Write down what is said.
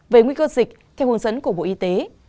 về nguy cơ dịch theo hướng dẫn của bộ y tế